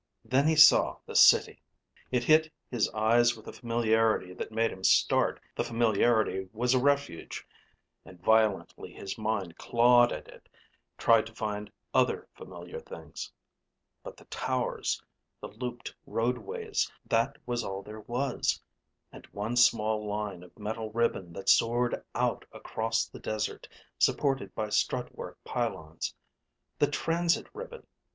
Then he saw the City. It hit his eyes with a familiarity that made him start. The familiarity was a refuge, and violently his mind clawed at it, tried to find other familiar things. But the towers, the looped roadways, that was all there was and one small line of metal ribbon that soared out across the desert, supported by strut work pylons. The transit ribbon!